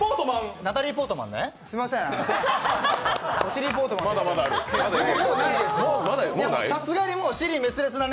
ナタリー・ポートマンですね。